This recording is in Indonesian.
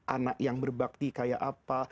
anak yang berbakti kayak apa